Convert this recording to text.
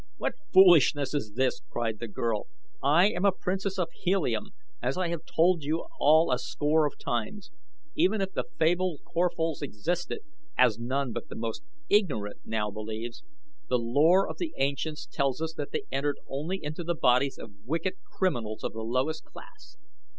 "What foolishness is this?" cried the girl. "I am a princess of Helium, as I have told you all a score of times. Even if the fabled Corphals existed, as none but the most ignorant now believes, the lore of the ancients tells us that they entered only into the bodies of wicked criminals of the lowest class.